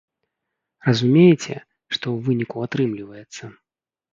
Разумееце, што ў выніку атрымліваецца!